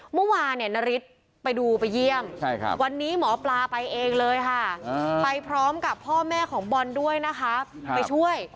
เมื่อวานเนี่ยนาริสไปดูไปเยี่ยมวันนี้หมอปลาไปเองเลยค่ะไปพร้อมกับพ่อแม่ของบอลด้วยนะคะไปช่วย